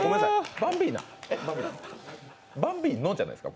「バンビーノ」じゃないですか？